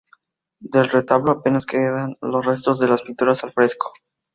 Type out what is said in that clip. Del retablo apenas quedan los restos de las pinturas al fresco.